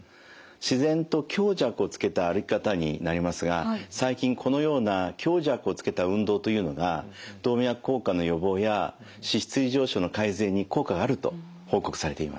自然と強弱をつけた歩き方になりますが最近このような強弱をつけた運動というのが動脈硬化の予防や脂質異常症の改善に効果があると報告されています。